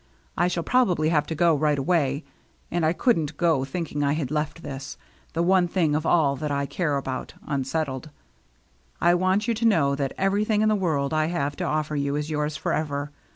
I shall probably have to go right away, and I couldn't go think ing I had left this — the one thing of all that I care about — unsettled. I want you to know that everything in the world I have to ofFer you is yours forever.